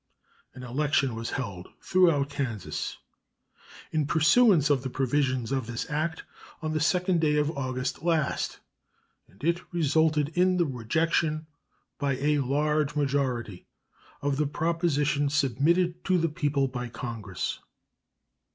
An election was held throughout Kansas, in pursuance of the provisions of this act, on the 2d day of August last, and it resulted in the rejection by a large majority of the proposition submitted to the people by Congress.